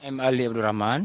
m ali abdurrahman